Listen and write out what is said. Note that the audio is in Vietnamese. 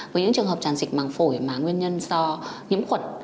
với những trường hợp tràn dịch màng phổi mà nguyên nhân do nhiễm khuẩn